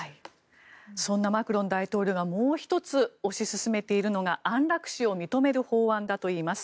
そんなマクロン大統領がもう１つ推し進めているのが安楽死を認める法案だといいます。